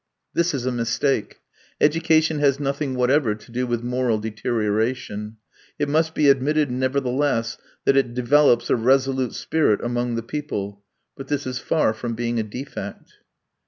This is a mistake. Education has nothing whatever to do with moral deterioration. It must be admitted, nevertheless, that it develops a resolute spirit among the people. But this is far from being a defect.